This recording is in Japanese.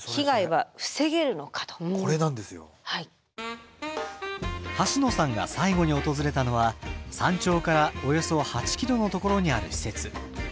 はしのさんが最後に訪れたのは山頂からおよそ８ｋｍのところにある施設。